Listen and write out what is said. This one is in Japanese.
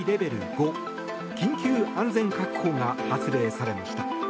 ５緊急安全確保が発令されました。